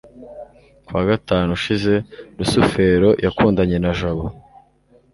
ku wa gatanu ushize, rusufero yakundanye na jabo